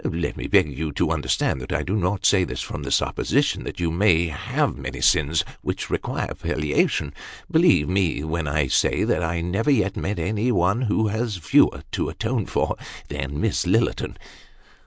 Let me beg you to understand that I do not say this from the supposition that you have many sins which require palliation ; believe me when I say that I never yet met anyone who had fewer to atone for, than Miss Lillerton."